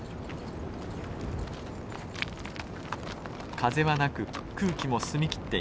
風はなく空気も澄み切っています。